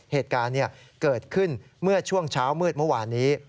เหตุการณ์เกิดขึ้นเมื่อช่วงเช้ามืดเมื่อวานนี้